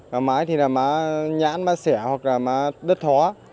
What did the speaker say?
gà mái thì là má nhãn má sẻ hoặc là má đất thó